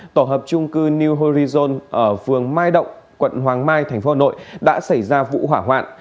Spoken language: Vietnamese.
tổ hợp trung cư new horizon ở phường mai động quận hoàng mai tp hcm đã xảy ra vụ hỏa hoạn